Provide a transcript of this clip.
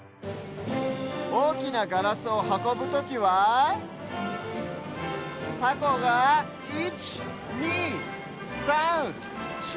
おおきなガラスをはこぶときはタコが１２３４。